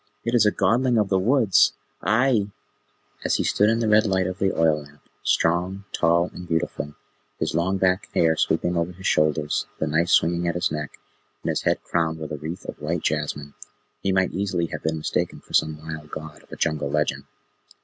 It is a Godling of the Woods! Ahai!" As he stood in the red light of the oil lamp, strong, tall, and beautiful, his long black hair sweeping over his shoulders, the knife swinging at his neck, and his head crowned with a wreath of white jasmine, he might easily have been mistaken for some wild god of a jungle legend.